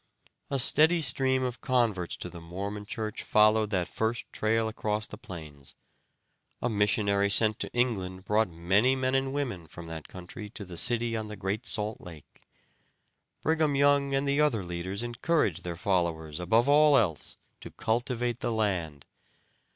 A steady stream of converts to the Mormon church followed that first trail across the plains. A missionary sent to England brought many men and women from that country to the city on the Great Salt Lake. Brigham Young and the other leaders encouraged their followers above all else to cultivate the land.